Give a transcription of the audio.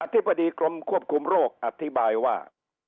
ธิบดีกรมควบคุมโรคอธิบายว่า